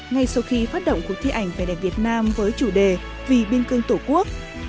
ngay sau khi phát động cuộc thi ảnh về đẹp việt nam với chủ đề vì biên cương tổ quốc